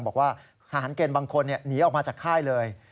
บอกว่าทหารเกณฑ์บางคนหนีออกมาจากค่ายเลย